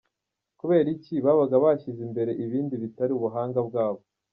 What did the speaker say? Kubera iki? Babaga bashyize imbere ibindi bitari ubuhanga bwabo….